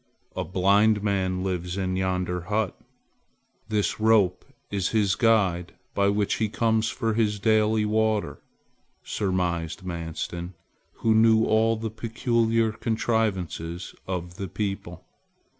"A blind man lives in yonder hut! This rope is his guide by which he comes for his daily water!" surmised Manstin, who knew all the peculiar contrivances of the people.